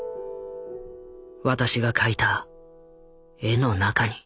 私が描いた絵の中に。